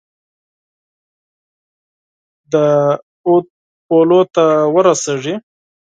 د اود پولو ته ورسیږي.